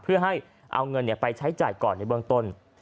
เพื่อให้เอาเงินไปใช้จ่ายก่อนในเบื้องต้น